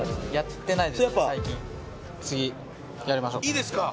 いいですか？